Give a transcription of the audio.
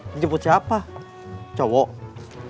dijemput siapa cowok